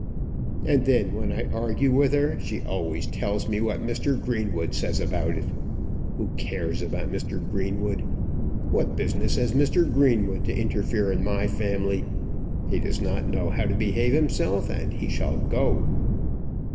"And then, when I argue with her, she always tells me what Mr. Greenwood says about it. Who cares about Mr. Greenwood? What business has Mr. Greenwood to interfere in my family? He does not know how to behave himself, and he shall go."